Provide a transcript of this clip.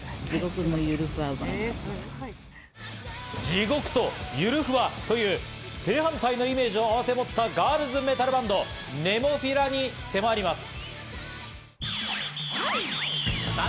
地獄とゆるふわという正反対のイメージを併せ持ったガールズメタルバンド・ＮＥＭＯＰＨＩＬＡに迫ります。